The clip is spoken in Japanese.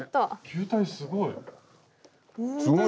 球体すごい！